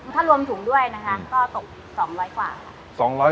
ถ้ารวมถุงด้วยนะคะก็ตก๒๐๐กว่าค่ะ